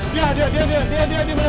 dia dia melempar